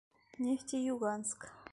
Нефтеюганск!..